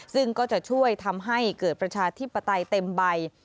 ซึ่งก็จะช่วยทำให้เกิดประชาธิปไตยเต็มใบ